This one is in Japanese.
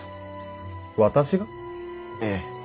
私が？ええ。